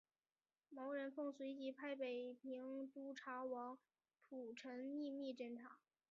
毛人凤随即派北平督察王蒲臣秘密侦查。